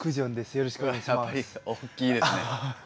よろしくお願いします。